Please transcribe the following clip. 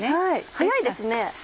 早いですね。